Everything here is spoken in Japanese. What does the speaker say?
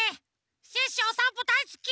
シュッシュおさんぽだいすき！